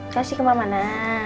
kasih ke mama